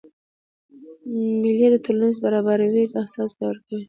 مېلې د ټولنیزي برابرۍ احساس پیاوړی کوي.